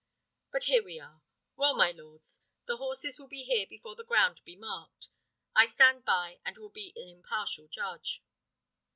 But here we are. Well, my lords, the horses will be here before the ground be marked. I stand by, and will be an impartial judge."